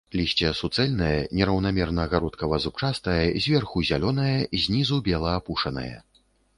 Лісце суцэльнае, нераўнамерна гародкава-зубчастае, зверху зялёнае, знізу бела апушанае.